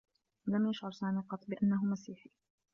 لم يشعر سامي قطّ بأنّه مسيحي.